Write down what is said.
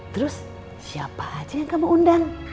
terus siapa aja yang kamu undang